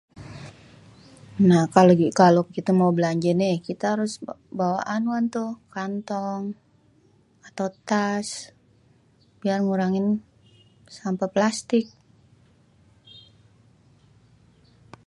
Nah kalo kalo, kite kalo mau belanjé nih, kité tuh harus bawa anuan tuh, kantong atau tas biar ngurangin sampeh plastik.